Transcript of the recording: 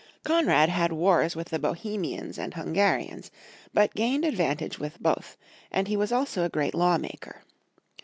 Konrad had wars with the Bohemians and Him garians, but gained the advantage with both, and he was also a great law maker.